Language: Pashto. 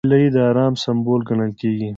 هیلۍ د ارام سمبول ګڼل کېږي